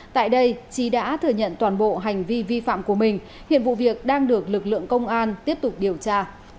tại đây trí đã thừa nhận toàn bộ hành vi vi phạm của mình hiện vụ việc đang được lực lượng công an tiếp tục điều tra